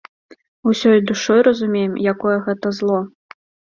Усёй душой разумеем, якое гэта зло.